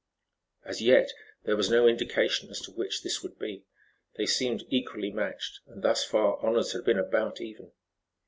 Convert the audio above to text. As yet there was no indication as to which this would be. They seemed equally matched, and thus far honors had been about even.